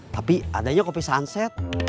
tapi adanya kopi sunset